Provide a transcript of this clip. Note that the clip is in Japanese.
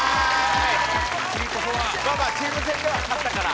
チーム戦では勝ったから。